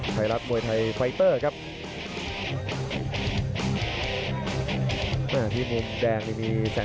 พยายามจะตีจิ๊กเข้าที่ประเภทหน้าขาครับ